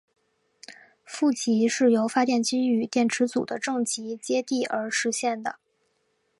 负极是由发电机与电池组的正极接地而实现的。